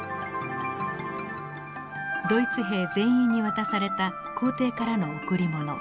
ドイツ兵全員に渡された皇帝からの贈り物。